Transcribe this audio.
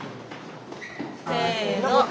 せの！